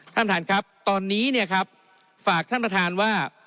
ท่านท่านครับตอนนี้เนี่ยครับฝากท่านประธานว่า